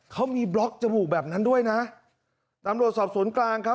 เขามีบล็อกจมูกแบบนั้นด้วยนะตำรวจสอบสวนกลางครับ